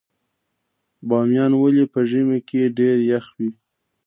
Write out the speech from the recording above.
بامیان ولې په ژمي کې ډیر یخ وي؟